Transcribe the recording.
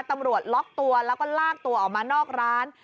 ตำรวจล็อกตัวแล้วก็ลากตัวออกมานอกร้าน